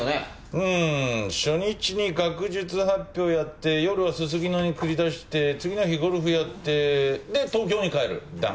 うん初日に学術発表やって夜はすすきのにくり出して次の日ゴルフやってで東京に帰るだな。